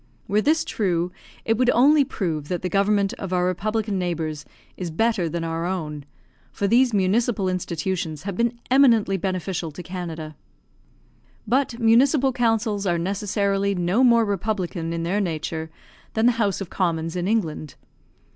Were this true, it would only prove that the government of our republican neighbours is better than our own; for these municipal institutions have been eminently beneficial to Canada. But municipal councils are necessarily no more republican in their nature, than the House of Commons in England.